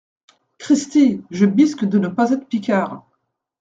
Cristi ! je bisque de ne pas être Picard !